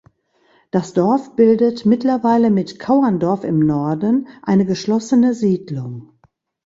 Das Dorf bildet mittlerweile mit Kauerndorf im Norden eine geschlossene Siedlung.